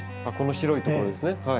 あっこの白いところですね。